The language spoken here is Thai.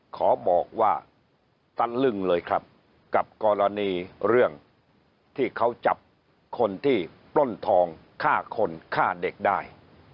ขอบอกว่าตะลึ่งเลยครับกับกรณีเรื่องที่เขาจับคนที่ปล้นทองฆ่าคนฆ่าเด็กได้